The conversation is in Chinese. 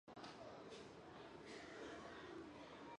她感到全身无力